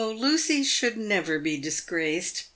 Lucy should never be disgraced.